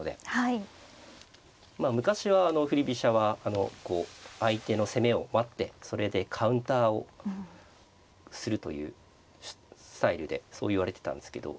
まあ昔は振り飛車は相手の攻めを待ってそれでカウンターをするというスタイルでそういわれてたんですけどま